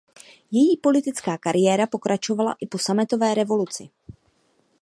Její politická kariéra pokračovala i po sametové revoluci.